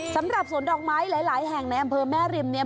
สำหรับสวนดอกไม้หลายแห่งในอำเภอแม่ริมเนี่ย